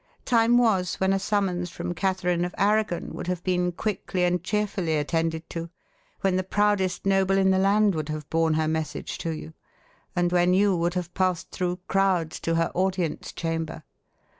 Time was when a summons from Catherine of Arragon would have been quickly and cheerfully attended to; when the proudest noble in the land would have borne her message to you, and when you would have passed through crowds to her audience chamber.